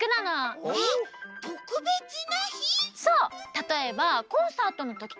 たとえばコンサートのときとか。